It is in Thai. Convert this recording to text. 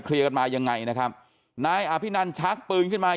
เคลียร์กันมาอย่างไรนะครับนายอภินันชักปืนขึ้นมา